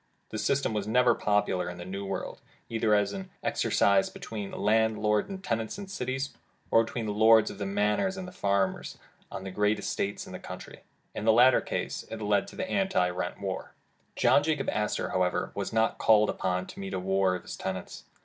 The system was never popular in the new world, either as exercised between landlord and tenant in the cities, or between Lords of the Manors and the farmers on their great estates in the country. In the latter case it led to the Anti rent War. John Jacob Astor, however, was not called upon to meet a war of his tenants.